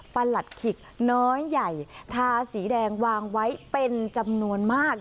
หลัดขิกน้อยใหญ่ทาสีแดงวางไว้เป็นจำนวนมาก